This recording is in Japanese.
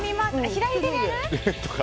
左手でやるとか。